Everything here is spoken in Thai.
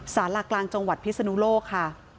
สารากลางจังหวัดพิศนุโลกค่ะ